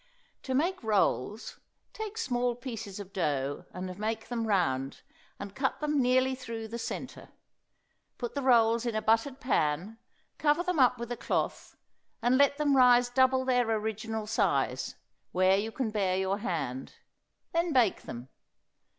To make rolls, take small pieces of dough and make them round, and cut them nearly through the centre. Put the rolls in a buttered pan; cover them up with a cloth and let them rise double their original size, where you can bear your hand. Then bake them.